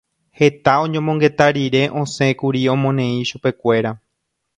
Heta oñomongeta rire osẽkuri omoneĩ chupekuéra.